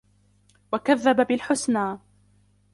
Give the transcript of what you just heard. وَكَذَّبَ بِالْحُسْنَى